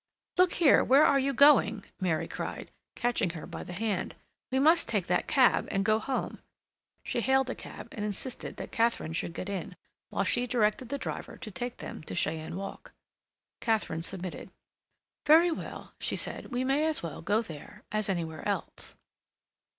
"Look here—where are you going?" Mary cried, catching her by the hand. "We must take that cab and go home." She hailed a cab and insisted that Katharine should get in, while she directed the driver to take them to Cheyne Walk. Katharine submitted. "Very well," she said. "We may as well go there as anywhere else."